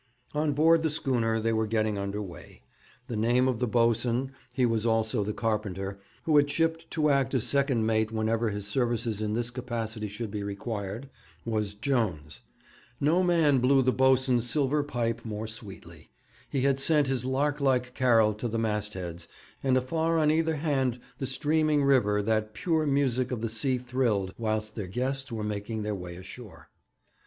On board the schooner they were getting under weigh. The name of the boatswain he was also the carpenter who had shipped to act as second mate whenever his services in this capacity should be required, was Jones. No man blew the boatswain's silver pipe more sweetly. He had sent his lark like carol to the mastheads, and afar on either hand the streaming river that pure music of the sea thrilled, whilst their guests were making their way ashore.